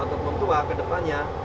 atau tua tua ke depannya